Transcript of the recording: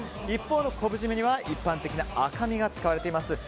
一方の昆布締めには一般的な赤身が使われています。